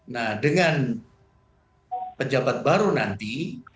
nah dengan pejabat baru nanti